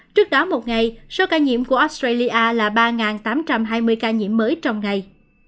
trước đó một ngày số ca nhiễm của australia là ba tám trăm hai mươi ca nhiễm mới trong ngày